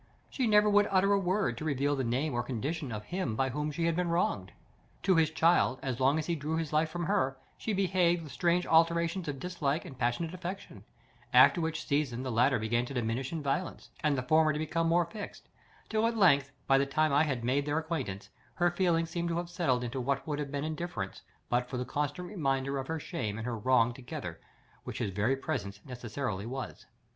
She never would utter a word to reveal the name or condition of him by whom she had been wronged. To his child, as long as he drew his life from her, she behaved with strange alternations of dislike and passionate affection; after which season the latter began to diminish in violence, and the former to become more fixed, till at length, by the time I had made their acquaintance, her feelings seemed to have settled into what would have been indifference but for the constant reminder of her shame and her wrong together, which his very presence necessarily was.